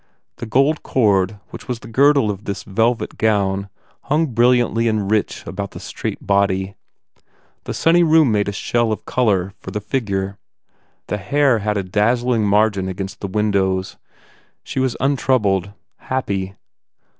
The gold cord which was the girdle of this velvet gown hung brilliant and rich about the straight body. The sunny room made a shell of colour for the figure. The hair had a dazzling margin against the windows. She was un troubled, happy.